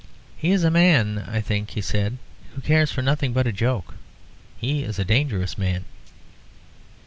"He is a man, I think," he said, "who cares for nothing but a joke. He is a dangerous man."